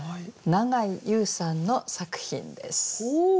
永井祐さんの作品です。